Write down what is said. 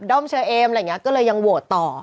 กับเชอเอมก็เลยยังโหลดต่อ